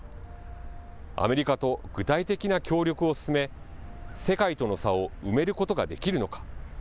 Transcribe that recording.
アメリカと具体的な協力を進め、世界との差を埋めることができるのか。